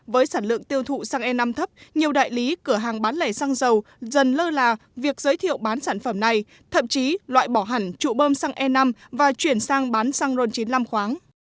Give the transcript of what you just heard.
với sản lượng tiêu thụ xăng e năm thấp nhiều đại lý cửa hàng bán lẻ xăng dầu dần lơ là việc giới thiệu bán sản phẩm này thậm chí loại bỏ hẳn trụ bơm xăng e năm và chuyển sang bán xăng ron chín mươi năm khoáng